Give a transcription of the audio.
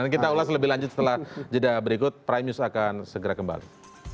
kita ulas lebih lanjut setelah jeda berikut prime news akan segera kembali